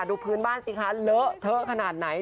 ดูพื้นบ้านสิคะเลอะเทอะขนาดไหน